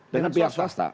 dengan pihak swasta